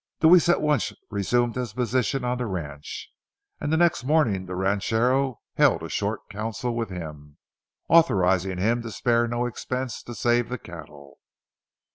Deweese at once resumed his position on the ranch, and the next morning the ranchero held a short council with him, authorizing him to spare no expense to save the cattle.